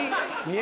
え？